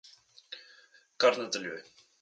Kar nadaljuj.